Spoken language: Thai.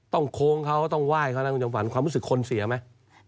โค้งเขาต้องไหว้เขานะคุณจำฝันความรู้สึกคนเสียไหม